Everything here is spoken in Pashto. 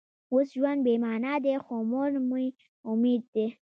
اوس ژوند بې معنا دی خو مور مې امید دی